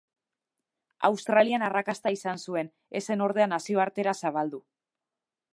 Australian arrakasta izan zuen, ez zen ordea nazioartera zabaldu.